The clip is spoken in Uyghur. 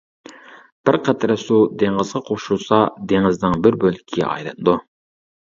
بىر قەترە سۇ دېڭىزغا قوشۇلسا، دېڭىزنىڭ بىر بۆلىكىگە ئايلىنىدۇ.